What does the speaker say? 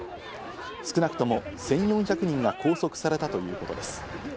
少なくとも１４００人が拘束されたということです。